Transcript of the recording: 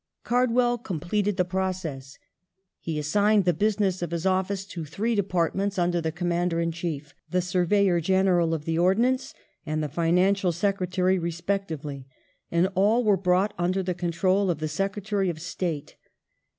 ^ Cardwell completed the process. He assigned the business of his office to three departments under the Commander in Chief, the Surveyor General of the Ordnance, and the Financial Secretary respectively ; and all were brought under the control of the Secretary of State.